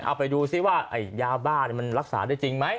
เอาไปดูซิว่ายาบ้ามันรักษาได้จริงไหม